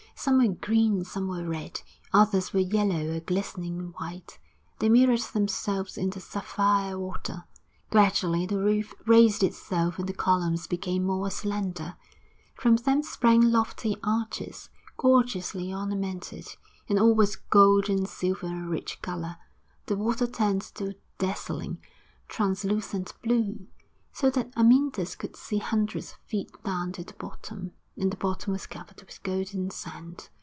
Some were green and some were red, others were yellow or glistening white; they mirrored themselves in the sapphire water. Gradually the roof raised itself and the columns became more slender; from them sprang lofty arches, gorgeously ornamented, and all was gold and silver and rich colour. The water turned to a dazzling, translucent blue, so that Amyntas could see hundreds of feet down to the bottom, and the bottom was covered with golden sand.